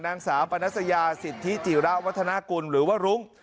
นางสาวปนัสยาสิทธิจิระวัฒนากุลหรือว่ารุ้ง